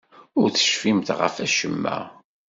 Ur tecfimt ɣef wacemma?